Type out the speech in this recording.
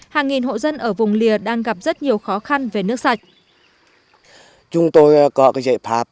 hàng nghìn hộ dân ở vùng lìa đang gặp rất nhiều khó khăn về nước sạch